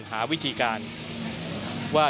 หาวิธีการว่า